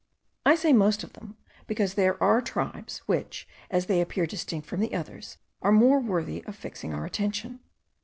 I say most of them, because there are tribes which, as they appear distinct from the others, are more worthy of fixing our attention.